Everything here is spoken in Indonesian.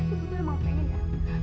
ibu dia mau pengen